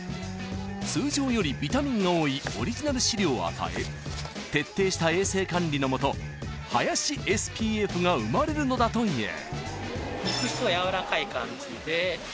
［通常よりビタミンが多いオリジナル飼料を与え徹底した衛生管理のもと林ＳＰＦが生まれるのだという］